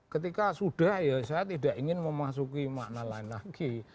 ketika sudah ya saya tidak ingin memasuki makna lain lagi